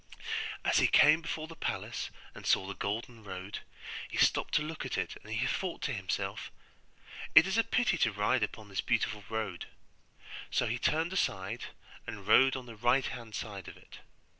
As he came before the palace and saw the golden road, he stopped to look at it, and he thought to himself, 'It is a pity to ride upon this beautiful road'; so he turned aside and rode on the right hand side of it.